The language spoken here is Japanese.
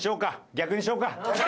逆にしようか。